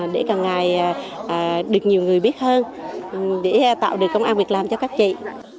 để càng ngày được nhiều người biết hơn để tạo được công an việc làm cho các chị